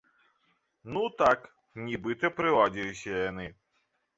Ну так, нібыта прыладзіліся яны.